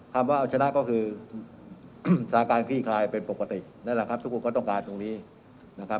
คำว่าเอาชนะก็คือสถานการณ์คลี่คลายเป็นปกตินั่นแหละครับทุกคนก็ต้องการตรงนี้นะครับ